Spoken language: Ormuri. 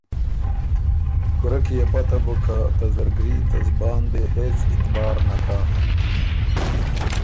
کُورۀ کی يې پته بُک که ته زرګري ته زبان دې هېڅ اعتبار نک هۀ۔